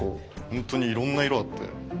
ほんとにいろんな色あって。